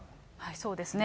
そうですね。